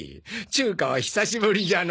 中華は久しぶりじゃの。